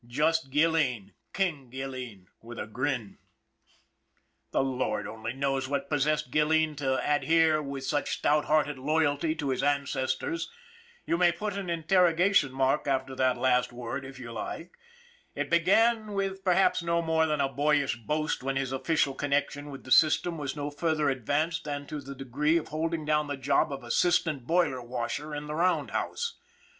Just Gilleen, " King " Gilleen and a grin. The Lord only knows what possessed Gilleen to adhere with such stout hearted loyalty to his ancestors you may put an interrogation mark after that last word, if you like it began with perhaps no more than a boyish boast when his official connection with the system was no further advanced than to the degree of holding down the job of assistant boiler washer in the roundhouse.